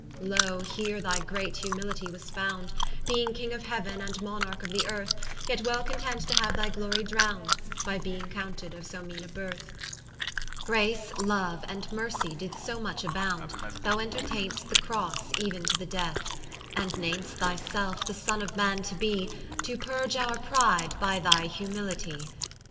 Loe here thy great Humility was found, Beeing King of Heauen, and Monarch of the Earth, Yet well content to haue thy Glory drownd, By beeing counted of so meane a berth; Grace, Loue, and Mercy did so much abound, Thou entertaindst the Crosse, euen to the death: And nam'dst thy selfe, the sonne of Man to be, To purge our pride by thy Humilitie.